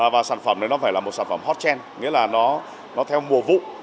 và sản phẩm này nó phải là một sản phẩm hot trend nghĩa là nó theo mùa vụ